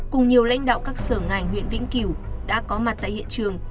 cùng nhiều lãnh đạo các sở ngành huyện vĩnh cửu đã có mặt tại hiện trường